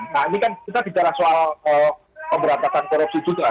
nah ini kan kita bicara soal pemberantasan korupsi juga